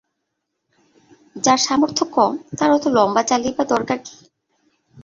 যার সামর্থ্য কম তার অত লম্বা চালেই বা দরকার কী ।